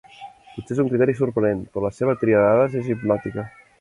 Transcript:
Potser és un criteri sorprenent, però la seva tria de dades és hipnòtica.